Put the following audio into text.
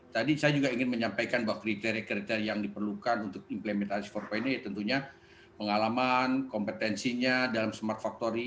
tadi saya juga ingin menyampaikan bahwa kriteria kriteria yang diperlukan untuk implementasi empat ini tentunya pengalaman kompetensinya dalam smart factory